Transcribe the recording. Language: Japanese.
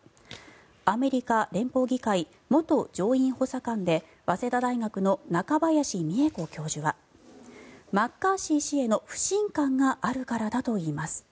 アメリカ連邦議会元上院補佐官で早稲田大学の中林美恵子教授はマッカーシー氏への不信感があるからだといいます。